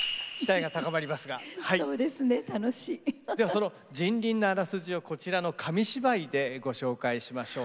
その「塵倫」のあらすじをこちらの紙芝居でご紹介しましょう。